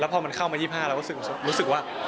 แล้วพอมันเข้ามา๒๕แล้วรู้สึกว่า